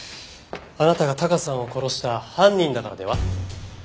あなたがタカさんを殺した犯人だからでは？